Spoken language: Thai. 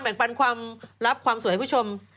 ปันความลับความสวยให้ผู้ชม